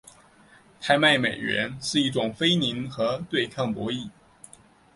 拍卖美元是一种非零和对抗博弈。